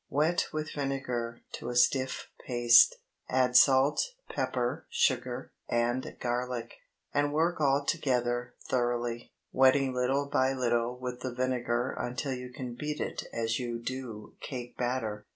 Wet with vinegar to a stiff paste; add salt, pepper, sugar, and garlic, and work all together thoroughly, wetting little by little with the vinegar until you can beat it as you do cake batter.